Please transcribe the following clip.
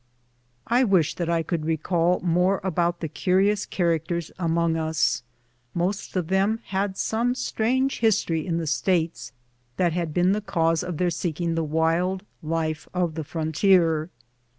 I WISH that I could recall more about the curious characters among us. Most of them had some strange liistory in the States that had been the cause of their seeking the wild life of the frontier.